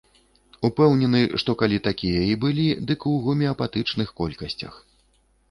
Упэўнены, што калі такія і былі, дык у гомеапатычных колькасцях.